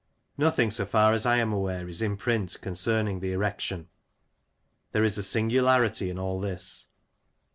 Nothing, so far as I am aware, is in print concerning the erection. There is a singularity in all this.